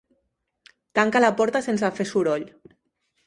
Tanca la porta sense fer soroll